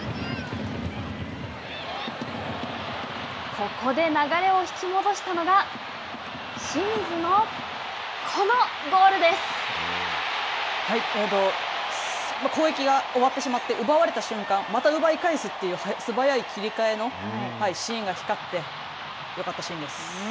ここで流れを引き戻したのが攻撃が終わってしまって奪われた瞬間、また奪い返すという、素早い切り替えのシーンが光って、よかったシーンです。